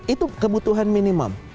itu kebutuhan minimum